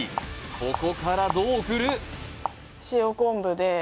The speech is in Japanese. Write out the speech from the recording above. ここからどうくる？